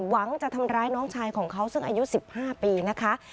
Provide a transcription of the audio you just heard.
หวังจะทำร้ายน้องชายของเขาซึ่งอายุ๑๕ปีนะคะ